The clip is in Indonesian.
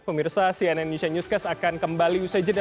pemirsa cnn indonesia newscast akan kembali usai jeda